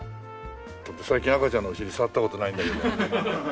最近赤ちゃんのお尻触った事ないんだけど。